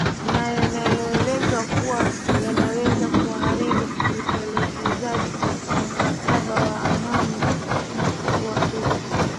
na yanayoelezwa kuwa yanaweza kuharibu utekelezaji wa mkataba wa amani wa sudan